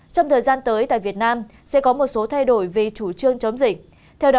trong thời gian tới tại việt nam sẽ có một số thay đổi về chủ trương chống dịch